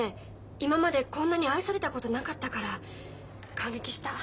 今までこんなに愛されたことなかったから感激した。